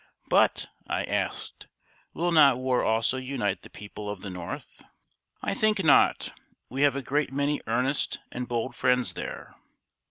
"But," I asked, "will not war also unite the people of the North?" "I think not. We have a great many earnest and bold friends there."